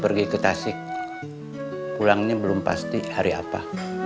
terus buat bayar sisanya gimana